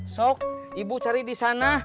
sok ibu cari disana